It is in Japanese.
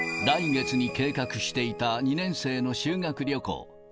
来月に計画していた２年生の修学旅行。